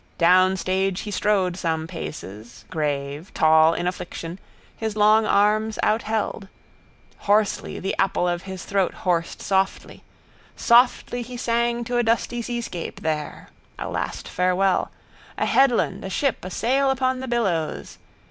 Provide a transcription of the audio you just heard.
Down stage he strode some paces, grave, tall in affliction, his long arms outheld. Hoarsely the apple of his throat hoarsed softly. Softly he sang to a dusty seascape there: A Last Farewell. A headland, a ship, a sail upon the billows.